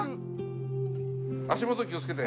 足元気をつけて。